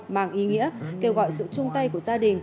mang ý nghĩa kêu gọi sự chung tay của gia đình